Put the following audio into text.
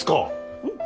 うん。